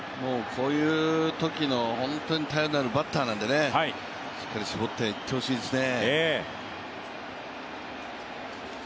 こういうときの本当に頼りになるバッターなのでしっかり絞っていってほしいですね。